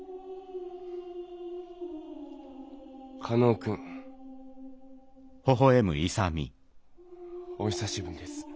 加納君お久しぶりです。